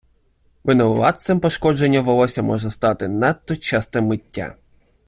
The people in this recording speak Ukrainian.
Винуватцем пошкодження волосся може стати надто часте миття.